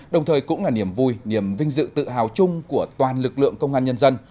đồng thời cũng là niềm vui niềm vinh dự tự hào chung của toàn lực lượng công an nhân dân